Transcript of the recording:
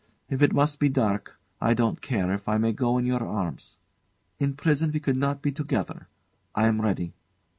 If it must be dark I don't care, if I may go in your arms. In prison we could not be together. I am ready.